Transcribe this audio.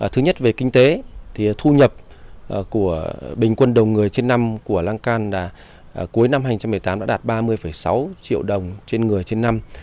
thứ nhất về kinh tế thì thu nhập của bình quân đầu người trên năm của lăng can cuối năm hai nghìn một mươi tám đã đạt ba mươi sáu triệu đồng trên người trên năm